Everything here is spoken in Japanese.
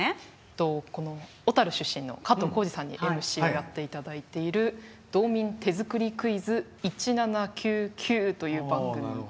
小樽出身の加藤浩次さんにＭＣをやっていただいている「どうみん手作りクイズ１７９Ｑ」という番組なんです。